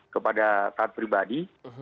kepada tat pribadi